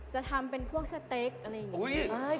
จะทำเป็นพวกสเต็กอะไรอย่างนี้